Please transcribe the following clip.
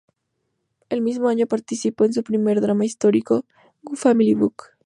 El mismo año participó en su primer drama histórico, Gu Family Book.